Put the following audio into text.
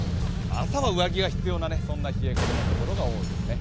朝は上着が必要な冷え込みの所が多いですね。